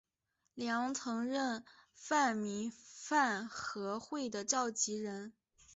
梁曾任泛民饭盒会的召集人。